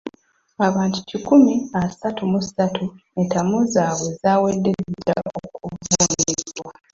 Abantu kikumi asatu mu ssatu entamu zaabwe zaawedde dda okuvuunikibwa.